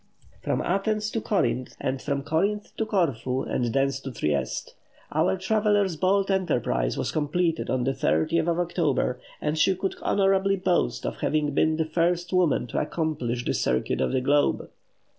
From Athens to Corinth, and from Corinth to Corfu, and thence to Trieste. Our traveller's bold enterprise was completed on the 30th of October, and she could honourably boast of having been the first woman to accomplish the circuit of the globe.